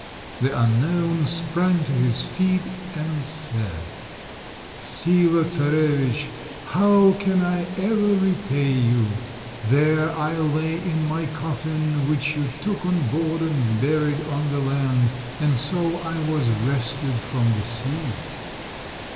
The unknown sprang to his feet, and said— "Sila Czarovitch, how can I ever repay you? There I lay in my coffin, which you took on board and buried on the land, and so was I rescued from the sea."